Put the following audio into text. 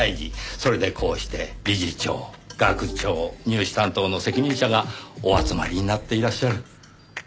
それでこうして理事長学長入試担当の責任者がお集まりになっていらっしゃる。